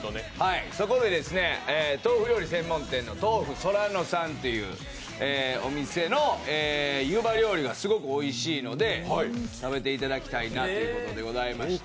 そこで豆腐料理専門店のとうふ空野さんというお店の湯葉料理がすごくおいしいので食べていただきたいなということでございます。